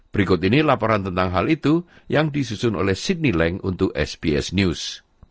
berikut ini laporan tentang hal itu yang disusun oleh sidney leng untuk sbs news